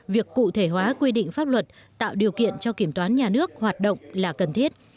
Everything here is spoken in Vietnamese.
việc cụ thể hóa quy định pháp luật tạo điều kiện cho kiểm toán nhà nước hoạt động là cần thiết